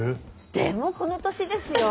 でもこの年ですよ。